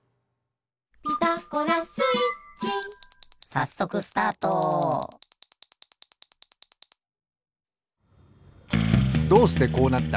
さっそくスタートどうしてこうなった？